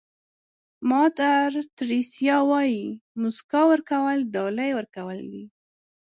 مادر تریسیا وایي موسکا ورکول ډالۍ ورکول دي.